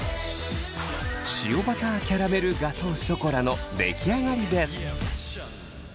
塩バターキャラメルガトーショコラの出来上がりです。